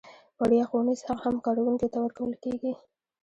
وړیا ښوونیز حق هم کارکوونکي ته ورکول کیږي.